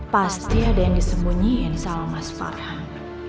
pasti ada yang disembunyiin sama mas farhan